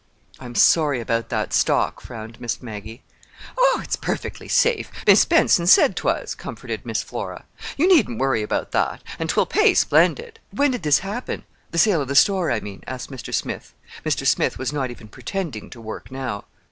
"I'm sorry about that stock," frowned Miss Maggie. "Oh, it's perfectly safe. Mis' Benson said 'twas," comforted Miss Flora. "You needn't worry about that. And 'twill pay splendid." "When did this happen—the sale of the store, I mean?" asked Mr. Smith. Mr. Smith was not even pretending to work now.